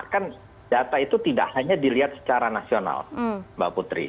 kan data itu tidak hanya dilihat secara nasional mbak putri